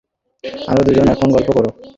তোমরা দুজনে এখন গল্প করো, আমি চললুম।